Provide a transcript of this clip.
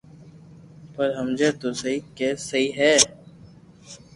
پر ھمجي تو سھي ڪي سھي ھي